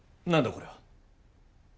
これは。